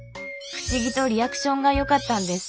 不思議とリアクションがよかったんです。